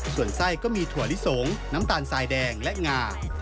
ส่วนไส้ก็มีถั่วลิสงน้ำตาลสายแดงและงา